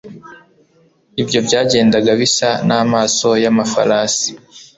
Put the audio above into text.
ibyo byagendaga bisa n'amaso y'amafarasi